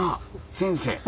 先生